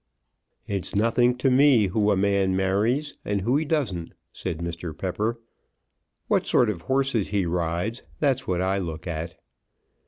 "It's nothing to me who a man marries and who he don't," said Mr. Pepper. "What sort of horses he rides; that's what I look at."